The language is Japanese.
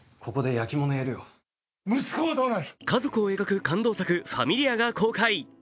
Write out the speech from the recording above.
家族を描く感動作「ファミリア」が公開！